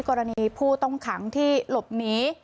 กรณีผู้ต้องขังที่หลบหนี